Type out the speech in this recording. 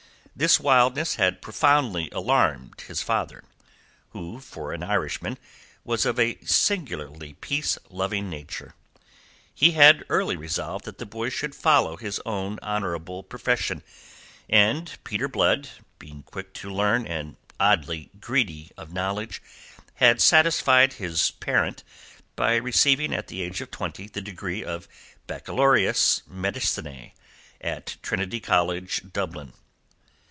This wildness had profoundly alarmed his father, who for an Irishman was of a singularly peace loving nature. He had early resolved that the boy should follow his own honourable profession, and Peter Blood, being quick to learn and oddly greedy of knowledge, had satisfied his parent by receiving at the age of twenty the degree of baccalaureus medicinae at Trinity College, Dublin.